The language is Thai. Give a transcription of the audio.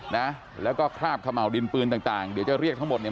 นะแล้วก็คราบขม่าวดินปืนต่างต่างเดี๋ยวจะเรียกทั้งหมดเนี่ย